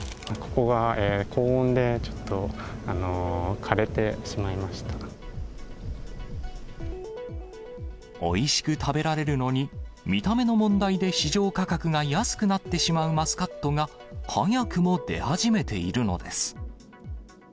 ここが高温でちょっと枯れておいしく食べられるのに、見た目の問題で市場価格が安くなってしまうマスカットが、早くも出始めているのです。